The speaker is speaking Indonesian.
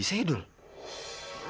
nah karangga tanya kak